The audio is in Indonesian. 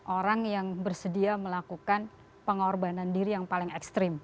orang yang bersedia melakukan pengorbanan diri yang paling ekstrim